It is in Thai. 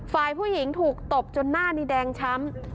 ฝ่ายผู้หญิงถูกตบจนหน้านี้แดงช้ำ